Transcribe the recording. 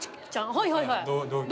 はいはいはい。